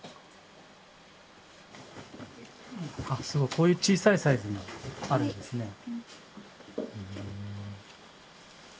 すごいこういう小さいサイズもあるんですね。